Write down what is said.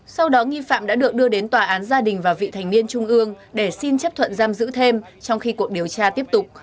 sau đó nghi phạm đã được đưa đến tòa án gia đình và vị thành niên trung ương để xin chấp thuận giam giữ thêm trong khi cuộc điều tra tiếp tục